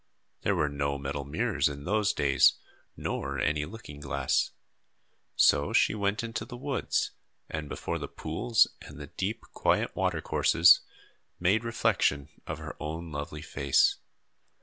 There were no metal mirrors in those days, nor any looking glass. So she went into the woods and before the pools and the deep, quiet watercourses, made reflection of her own lovely face.